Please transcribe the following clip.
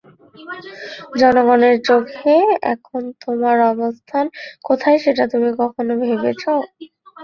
জনগণের চোখে এখন তোমার অবস্থান কোথায় সেটা কখনো ভেবেছো?